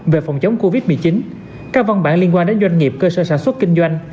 về phòng chống covid một mươi chín các văn bản liên quan đến doanh nghiệp cơ sở sản xuất kinh doanh